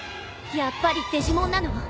やっぱりデジモンなの？